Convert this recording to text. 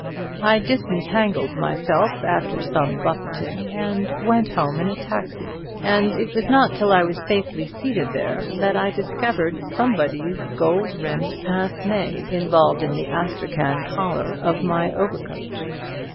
I disengaged myself after some buffeting and went home in a taxi; and it was not till I was safely seated there that I discovered somebody's gold rimmed pince nez involved in the astrachan collar of my overcoat.